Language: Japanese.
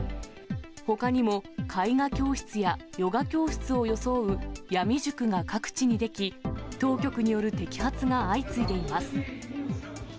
ほかにも絵画教室やヨガ教室を装う闇塾が各地に出来、当局による摘発が相次いでいます。